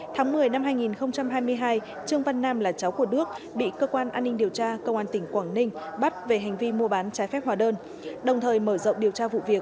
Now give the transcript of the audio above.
tháng một mươi năm hai nghìn hai mươi hai trương văn nam là cháu của đức bị cơ quan an ninh điều tra công an tỉnh quảng ninh bắt về hành vi mua bán trái phép hóa đơn đồng thời mở rộng điều tra vụ việc